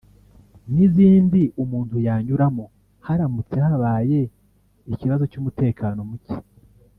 n’izindi umuntu yanyuramo haramutse habaye ikibazo cy’umutekano muke